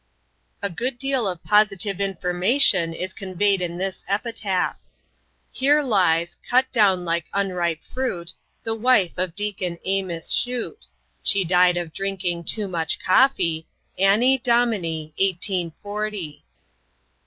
A good deal of positive information is conveyed in this epitaph: "Here lies, cut down like unripe fruit The wife of Deacon Amos Shute; She died of drinking too much coffee, Anny dominy eighteen forty."